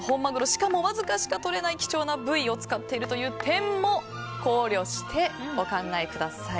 しかも、わずかしか取れない貴重な部位を使っているという点も考慮してお考えください。